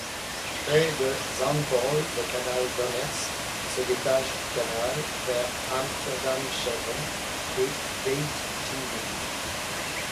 Près de Zandpol, le Canal Dommers se détache du canal, vers Amsterdamscheveld et Weiteveen.